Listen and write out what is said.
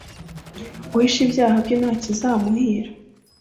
Uhisha ibyaha bye ntakizamuhira